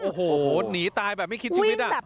โอ้โหหนีตายแบบไม่คิดชีวิต